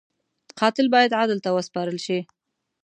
قاتل باید عدل ته وسپارل شي